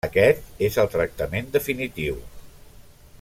Aquest és el tractament definitiu.